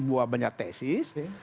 buat banyak tesis